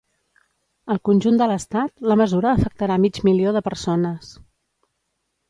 Al conjunt de l’estat, la mesura afectarà mig milió de persones.